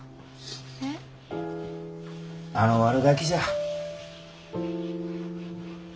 あの悪ガキじゃ。